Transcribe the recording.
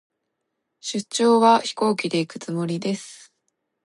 出張は、飛行機で行くつもりです。